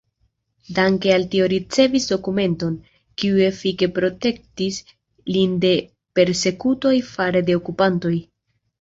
Danke al tio ricevis dokumenton, kiu efike protektis lin de persekutoj fare de okupantoj.